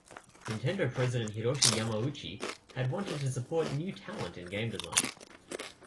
Nintendo president Hiroshi Yamauchi had wanted to support new talent in game design.